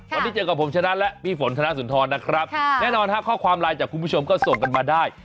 วันนี้เจอกับผมชนะและพี่ฝนธนสุนทรนะครับแน่นอนฮะข้อความไลน์จากคุณผู้ชมก็ส่งกันมาได้